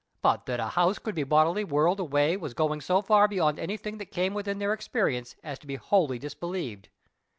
But that a house could be bodily whirled away was going so far beyond anything that came within their experience as to be wholly disbelieved.